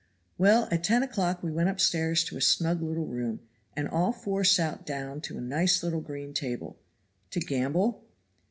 "Well, at ten o'clock we went upstairs to a snug little room, and all four sat down to a nice little green table." "To gamble?"